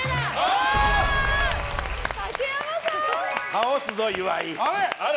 倒すぞ、岩井。